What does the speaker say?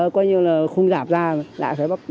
coi như là không giảm ra lại phải đêm bắt lại